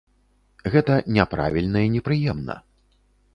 Гэта няправільна і непрыемна.